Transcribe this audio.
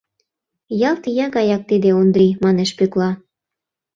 — Ялт ия гаяк тиде Ондрий, — манеш Пӧкла.